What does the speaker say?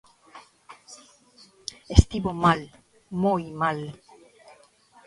Estivo mal, moi mal.